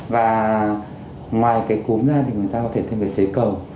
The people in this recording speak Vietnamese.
và ngoài cái cúm ra thì người ta có thể thêm cái phế cầu